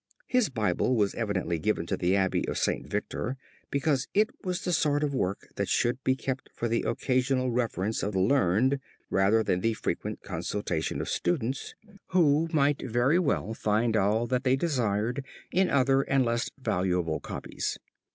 His Bible was evidently given to the abbey of St. Victor because it was the sort of work that should be kept for the occasional reference of the learned rather than the frequent consultation of students, who might very well find all that they desired in other and less valuable copies.